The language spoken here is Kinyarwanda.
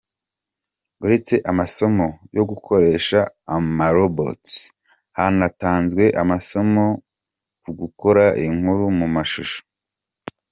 Uretse amasomo yo gukoresha ama-robots, hanatanzwe amasomo ku gukora inkuru mu mashusho.